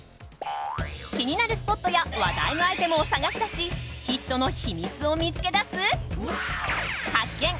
気になるスポットや話題のアイテムを探し出しヒットの秘密を見つけ出す発見！